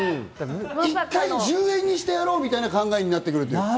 １回１０円にしてやろうみたいな考えになってくる。